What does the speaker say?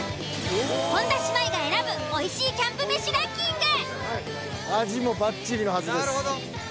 本田姉妹が選ぶおいしいキャンプ飯ランキング。